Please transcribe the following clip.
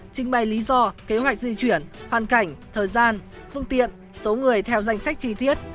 trình bày lý do kế hoạch di chuyển hoàn cảnh thời gian phương tiện số người theo danh sách chi tiết